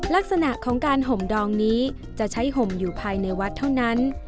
ลักษณะของการห่มดองนี้จะใช้ห่มอยู่ภายในวัดเท่านั้น